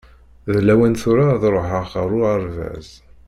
D lawan tura ad ṛuḥeɣ ar uɣerbaz.